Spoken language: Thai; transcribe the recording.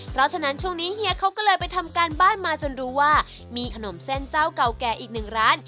เพราะฉะนั้นช่วงนี้เฮียเขาก็เลยไปทำการบ้านมาจนรู้ว่ามีขนมเส้นเจ้าเก่าแก่อีกหนึ่งร้าน